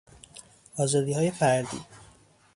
آزادیهای فردی